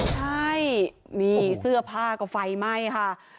ใช่นี่เสื้อผ้าก็ไฟไหม้ค่ะ